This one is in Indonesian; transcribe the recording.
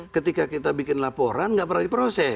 ketika kita bikin laporan nggak pernah diproses